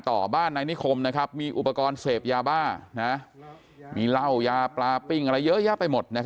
ต่อบ้านนายนิคมมีอุปกรณ์เสพยาบ้ามีเหล้ายาปลาปิ้งอะไรเยอะแยะไปหมด